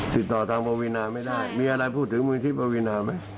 ติดต่อทางปวีนาไม่ได้มีอะไรพูดถึงมือที่ปวีนาไหม